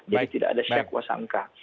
jadi tidak ada syak wasangka